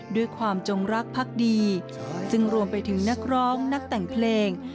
ด้วยความจงรักพักดีซึ่งรวมไปถึงนักร้องนักแต่งเพลง